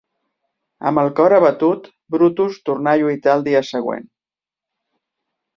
Amb el cor abatut, Brutus torna a lluitar al dia següent.